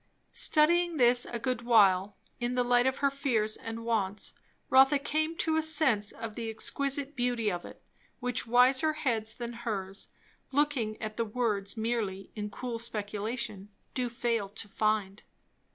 Studying this a good while, in the light of her fears and wants, Rotha came to a sense of the exquisite beauty of it; which wiser heads than hers, looking at the words merely in cool speculation, do fail to find.